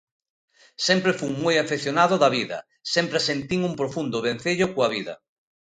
Sempre fun moi afeccionado da vida, sempre sentín un profundo vencello coa vida.